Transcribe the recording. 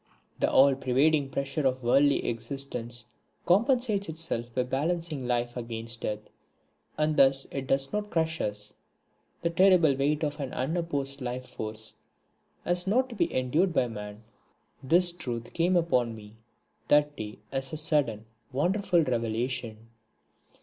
The all pervading pressure of worldly existence compensates itself by balancing life against death, and thus it does not crush us. The terrible weight of an unopposed life force has not to be endured by man, this truth came upon me that day as a sudden, wonderful revelation.